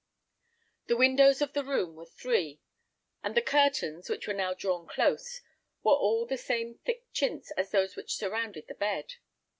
The windows of the room were three, and the curtains, which were now drawn close, were of the same thick chintz as those which shrouded the bed.